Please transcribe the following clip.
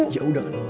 ya udah dong